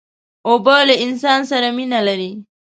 اوبه له انسان سره مینه لري.